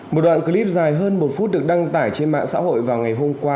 một đoạn clip dài hơn một phút được đăng tải trên mạng xã hội vào ngày hôm qua